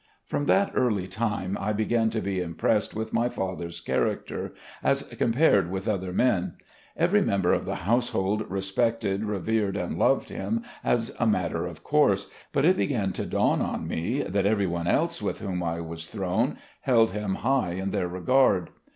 From that early time I began to be impressed with my father's character, as compared with other men. Every member of the household respected, revered and loved him as a matter of course, but it began to dawn on me that every one else with whom I was thrown held him high in their regard.